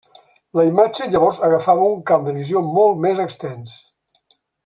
La imatge llavors agafava un camp de visió molt més extens.